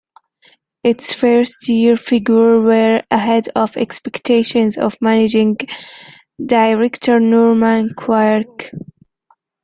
Its first year figures were ahead of the expectations of managing director Norman Quirk.